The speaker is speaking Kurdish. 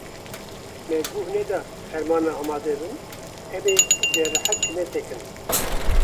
Me guh neda fermana amade bin, em dê rehet jî nesekinin.